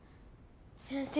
先生